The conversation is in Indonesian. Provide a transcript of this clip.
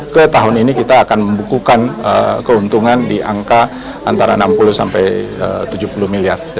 ke tahun ini kita akan membukukan keuntungan di angka antara enam puluh sampai tujuh puluh miliar